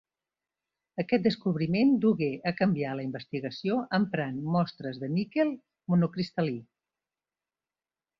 Aquest descobriment dugué a canviar la investigació emprant mostres de níquel monocristal·lí.